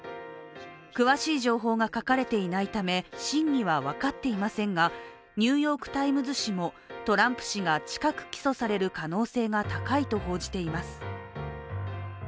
詳しい情報が書かれていないため真偽は分かっていませんが「ニューヨーク・タイムズ」紙もトランプ氏が近く起訴される可能性が高いと報じています。